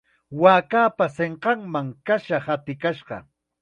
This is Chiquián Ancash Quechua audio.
Waakapa sinqanman kasha hatikashqa.